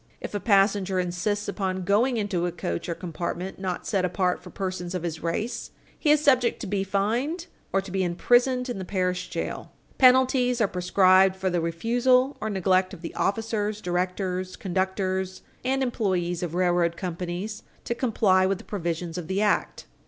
If a passenger insists upon going into a coach or compartment not set apart for persons of his race, Page 163 U. S. 553 he is subject to be fined or to be imprisoned in the parish jail. Penalties are prescribed for the refusal or neglect of the officers, directors, conductors and employees of railroad companies to comply with the provisions of the act.